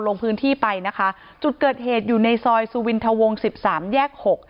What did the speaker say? ลงพื้นที่ไปนะคะจุดเกิดเหตุอยู่ในซอยสุวินทวงสิบสามแยกหก